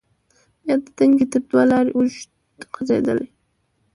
بیا د تنگي تر دوه لارې اوږده غزیدلې،